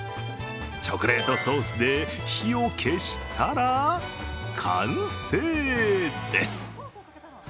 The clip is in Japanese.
チョコレートソースで火を消したら、完成です。